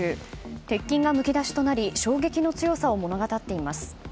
鉄筋がむき出しとなり衝撃の強さを物語っています。